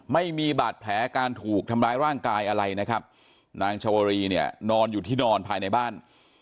ไม่มีบาดแผลการถูกทำร้ายร่างกายอะไรนะครับนางชวรีเนี่ยนอนอยู่ที่นอนภายในบ้าน